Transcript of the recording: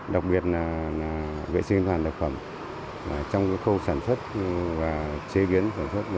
đặc biệt là vệ sinh an toàn thực phẩm trong khâu sản xuất và chế biến sản xuất